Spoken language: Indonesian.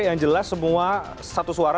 yang jelas semua satu suara